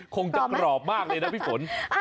คงจะกรอบมากเลยนะพี่ฝน